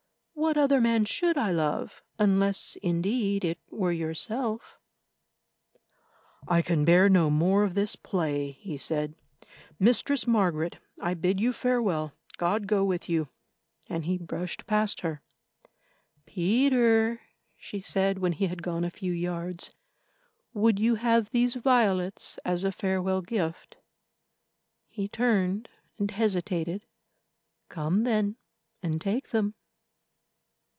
What other man should I love—unless, indeed, it were yourself?" "I can bear no more of this play," he said. "Mistress Margaret, I bid you farewell. God go with you!" And he brushed past her. "Peter," she said when he had gone a few yards, "would you have these violets as a farewell gift?" He turned and hesitated. "Come, then, and take them."